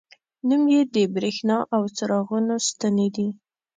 نوم یې د بریښنا او څراغونو ستنې دي.